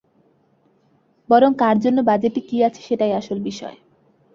বরং কার জন্য বাজেটে কী আছে, সেটাই আসল বিষয়।